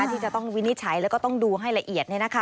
ที่จะต้องวินิจฉัยแล้วก็ต้องดูให้ละเอียด